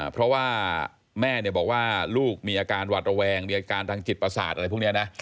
เพราะว่าแม่บอกว่าลูกมีอาการหวัดระแวงมีอาการทางจิตประสาทอะไรพวกนี้นะ